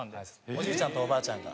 おじいちゃんとおばあちゃんが？